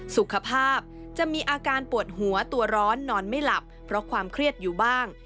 สุขภาพจะมีอาการปวดหัวตัวร้อนนอนไม่หลับเพราะความเครียดอยู่บ้าง